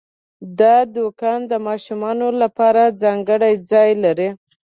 دا دوکان د ماشومانو لپاره ځانګړی ځای لري.